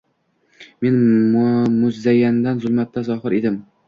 Men muzayyanning zulmatida zohir edim.